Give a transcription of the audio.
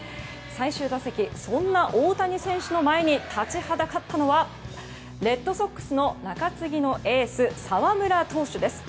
最終打席、そんな大谷選手の前に立ちはだかったのはレッドソックスの中継ぎのエース澤村投手です。